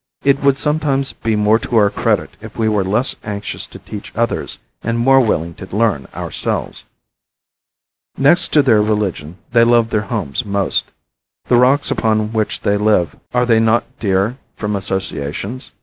It would sometimes be more to our credit if we were less anxious to teach others, and more willing to learn ourselves. Next to their religion they love their homes most. The rocks upon which they live, are they not dear from associations?